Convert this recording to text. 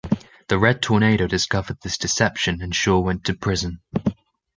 The Red Tornado discovered this deception and Shaw went to prison.